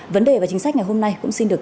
vấn đề và chính sách ngày hôm nay cũng xin được